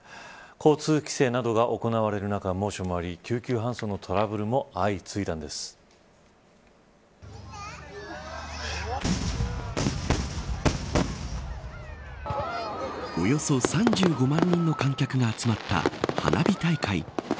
交通規制などが行われる中猛暑もあり、救急搬送などのおよそ３５万人の観客が集まった花火大会。